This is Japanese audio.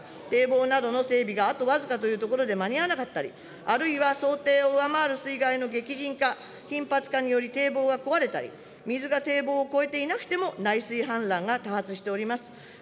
かねてから進めてきた河川水系の強じん化は、一定奏功しておりますが、堤防などの整備があと僅かというところで間に合わなかったり、あるいは、想定を上回る水害の激甚化、頻発化により堤防が壊れたり、水が堤防を超えていなくても内水氾濫が多発しております。